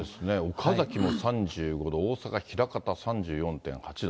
岡崎も３５度、大阪・枚方３４．８度。